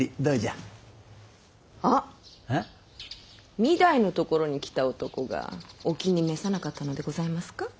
御台のところに来た男がお気に召さなかったのでございますか？